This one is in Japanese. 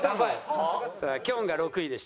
さあきょんが６位でした。